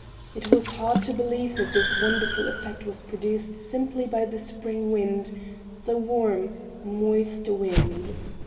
It was hard to believe that this wonderful effect was produced simply by the spring wind, the warm, moist wind.